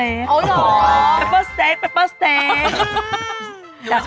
โอ้โหแปปเปอร์เซกแปปเปอร์เซก